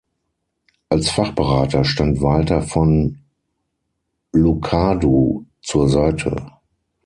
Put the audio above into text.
Als Fachberater stand Walter von Lucadou zur Seite.